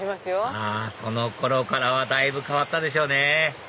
あその頃からはだいぶ変わったでしょうね